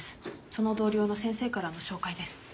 その同僚の先生からの紹介です。